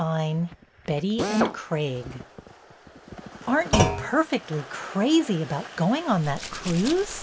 IX BETTY AND CRAIG " NT you perfectly crazy about going /"A on that cruise?